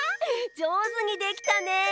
じょうずにできたね。